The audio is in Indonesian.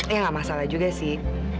ya nggak masalah juga sih